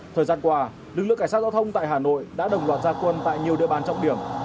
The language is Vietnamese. thời gian qua lực lượng cảnh sát giao thông tại hà nội đã đồng loạt gia quân tại nhiều địa bàn trọng điểm